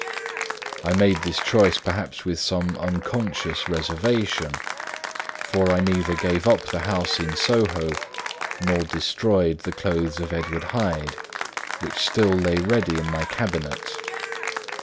I made this choice perhaps with some unconscious reservation, for I neither gave up the house in Soho, nor destroyed the clothes of Edward Hyde, which still lay ready in my cabinet.